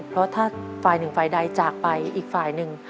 เพราะถ้าฝ่ายหนึ่งฝ่ายใดจากไปอีกฝ่ายหนึ่ง